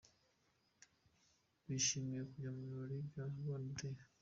Bishimiye kujya mu birori bya Rwanda Day.